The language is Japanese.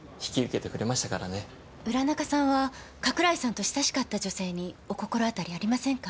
浦中さんは加倉井さんと親しかった女性にお心当たりありませんか？